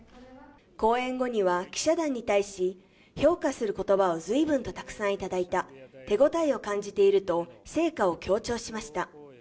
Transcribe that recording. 講演後には記者団に対し評価する言葉を随分とたくさんいただいた、手応えを感じていると成果を強調しました。